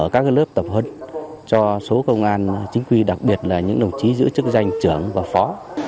các lớp tập huấn cho số công an chính quy đặc biệt là những đồng chí giữ chức danh trưởng và phó